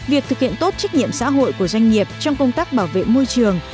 việc thực hiện tốt trách nhiệm xã hội của doanh nghiệp trong công tác bảo vệ môi trường